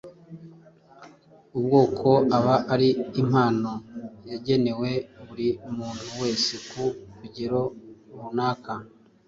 ubwako aba ari impano yagenewe buri muntu wese ku rugero runaka.